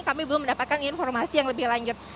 kami belum mendapatkan informasi yang lebih lanjut